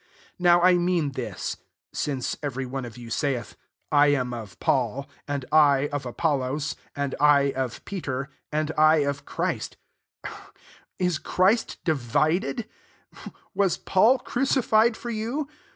12 Now I mean this; (sinci every one of you saith, I am 4 Paul; and I, of Apollos; aol I, of Peter ;♦ and I, of Clwistfl 13 is Christ divided I was Paw crucified for you